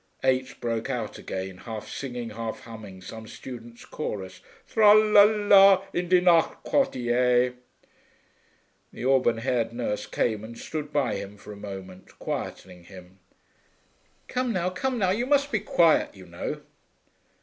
Eight broke out again, half singing, half humming some students' chorus 'Tra la la, in die Nacht Quartier!' The auburn haired nurse came and stood by him for a moment, quieting him. 'Come now, come now, you must be quiet, you know.'